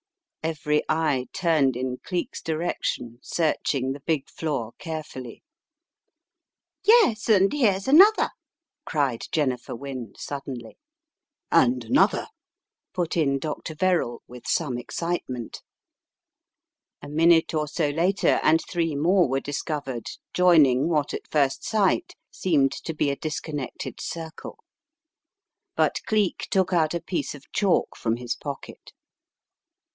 " Every eye turned in Cleek's direction searching the big floor carefully. "Yes, and here's another," cried Jennifer Wynne, suddenly. "And another!" put in Dr. Verrall with some ex citement. A minute or so later and three more were discovered joining what at first sight seemed to be a disconnected circle. But Cleek took out a piece of chalk from his pocket.